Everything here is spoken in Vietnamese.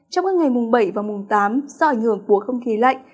trong các ngày mùng bảy và mùng tám do ảnh hưởng của không khí lạnh